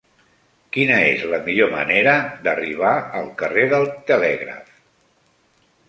Quina és la millor manera d'arribar al carrer del Telègraf?